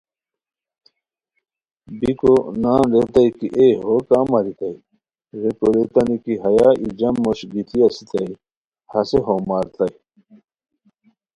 بیکو نان ریتائے کی اے ہو کا ماریتائے؟ ریکو ریتانی کی ہیا ای جم موش گیتی اسیتائے، ہسے ہو ماریتائے